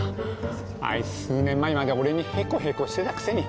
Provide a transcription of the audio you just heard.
あいつ数年前まで俺にへこへこしてたくせに。